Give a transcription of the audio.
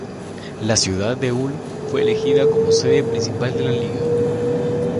La ciudad de Ulm fue elegida como sede principal de la liga.